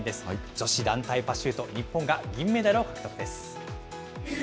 女子団体パシュート、日本が銀メダルを獲得です。